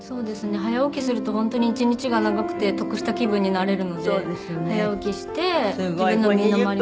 早起きすると本当に一日が長くて得した気分になれるので早起きして自分の身の回りの。